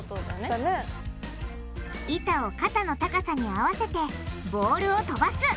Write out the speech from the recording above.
板を肩の高さに合わせてボールをとばす！